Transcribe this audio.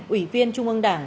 ủy viên trung ương đảng